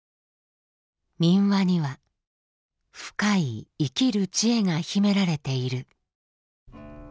民話には深い生きる知恵が秘められている。